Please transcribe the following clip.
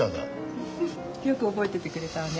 ウフフよく覚えててくれたわね。